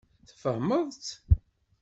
Tfehmeḍ-t?